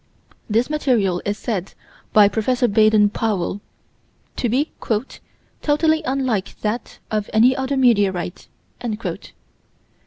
This material is said, by Prof. Baden Powell, to be "totally unlike that of any other meteorite."